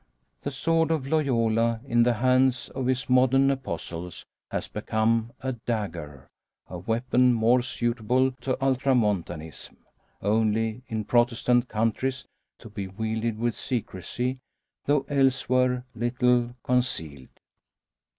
The sword of Loyola in the hands of his modern apostles has become a dagger a weapon more suitable to Ultramontanism. Only in Protestant countries to be wielded with secrecy, though elsewhere little concealed.